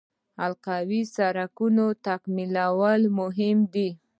د حلقوي سړک تکمیلول مهم دي